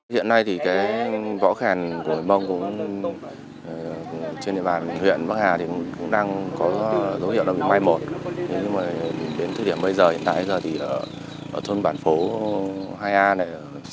hãy đăng ký kênh để ủng hộ kênh mình nhé